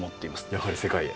やはり世界へ？